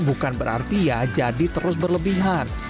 bukan berarti ya jadi terus berlebihan